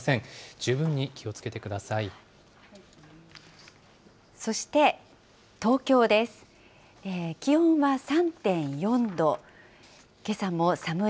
十分に気をつけてください。